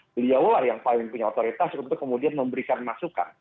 beliau lah yang paling punya otoritas untuk kemudian memberikan masukan